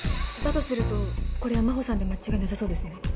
だとするとこれは真帆さんで間違いなさそうですね。